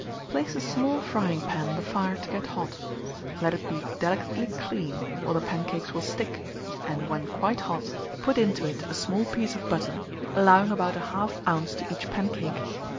Place a small frying pan on the fire to get hot; let it be delicately clean, or the pancakes will stick, and, when quite hot, put into it a small piece of butter, allowing about 1/2 oz. to each pancake.